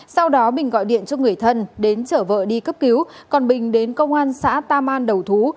sau đó bình gọi điện cho người thân đến chở vợ đi cấp cứu còn bình đến công an xã tam an đầu thú